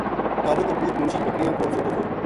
کالو کو پُوت منشی بکریاں کول سُتو تھو